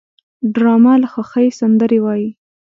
ډرامه له خوښۍ سندرې وايي